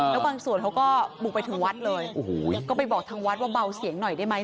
แล้วบางส่วนเขาก็บุกไปถึงวัดเลยโอ้โหก็ไปบอกทางวัดว่าเบาเสียงหน่อยได้ไหม